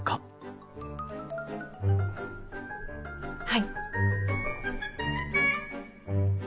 はい。